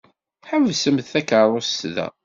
Ḥebsemt takeṛṛust da!